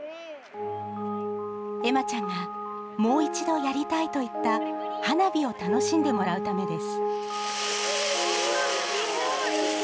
恵麻ちゃんがもう一度やりたいと言った、花火を楽しんでもらうためです。